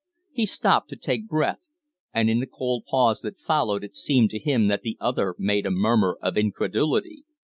He stopped to take breath, and in the cold pause that followed it seemed to him that the other made a murmur of incredulity.